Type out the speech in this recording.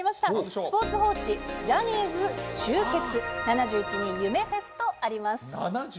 スポーツ報知、ジャニーズ集結、７１人夢フェスとあります。